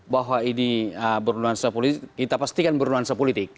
bahwa ini berluansa politik kita pastikan berluansa politik